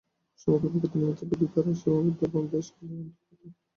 সমগ্র প্রকৃতি নিমিত্তের বিধি দ্বারা সীমাবদ্ধ এবং দেশ-কালের অন্তর্গত।